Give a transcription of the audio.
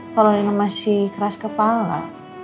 kalau ini masih keras kepala